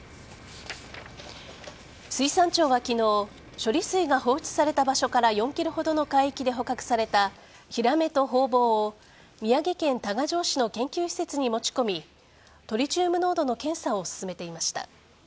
水産庁は昨日処理水が放出された場所から４ｋｍほどの海域で捕獲されたヒラメとホウボウを宮城県多賀城市の研究施設に持ち込みトリチウム濃度の検査を進めていました。